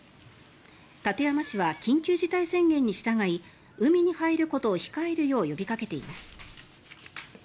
館山市は緊急事態宣言に従い海に入ることを控えるよう呼びかけています。